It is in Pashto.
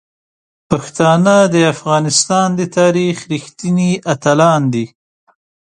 پښتانه د افغانستان د تاریخ رښتیني اتلان دي.